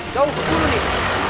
jauh jauh nih